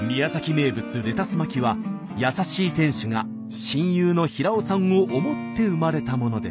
名物レタス巻は優しい店主が親友の平尾さんを思って生まれたものでした。